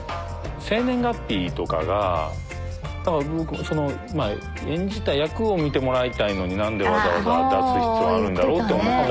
生年月日とかがだから僕もまあ演じた役を見てもらいたいのに何でわざわざ出す必要あるんだろうと思った。